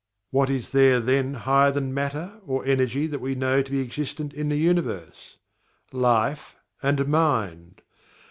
What is there then higher than Matter or Energy that we know to be existent in the Universe? LIFE AND MIND!